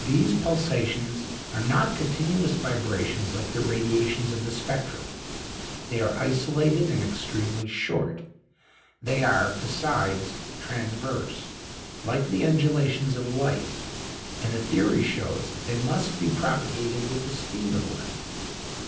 These pulsations are not continuous vibrations like the radiations of the spectrum; they are isolated and extremely short; they are, besides, transverse, like the undulations of light, and the theory shows that they must be propagated with the speed of light.